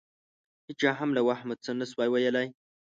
هېچا هم له وهمه څه نه شوای ویلای.